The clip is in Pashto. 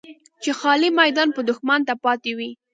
چې خالي میدان به دښمن ته پاتې وي.